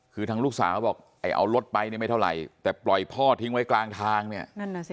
คือทางลูกสาวบอกไอ้เอารถไปเนี่ยไม่เท่าไหร่แต่ปล่อยพ่อทิ้งไว้กลางทางเนี่ยสิ